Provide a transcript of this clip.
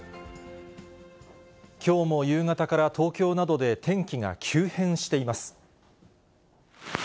きょうも夕方から東京などで天気が急変しています。